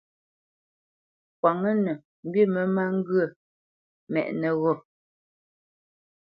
Kwǎnŋə́nə mbî mə má ŋgyə̂ mɛ́ʼnə́ ghô.